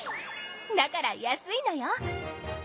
だから安いのよ。